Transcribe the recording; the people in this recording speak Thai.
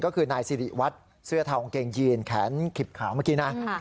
ก็คือนายสิริวัตรเสื้อเทากางเกงยีนแขนขิบขาวเมื่อกี้นะ